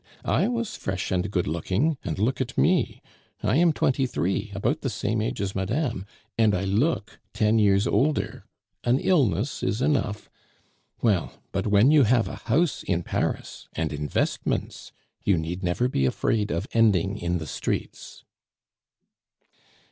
I was fresh and good looking, and look at me! I am twenty three, about the same age as madame, and I look ten years older. An illness is enough. Well, but when you have a house in Paris and investments, you need never be afraid of ending in the streets."